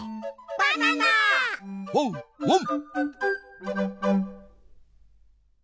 ワンワン！